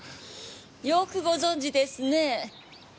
よくご存じですねぇ。